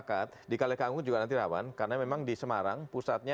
ya di kalikangkung ini sama juga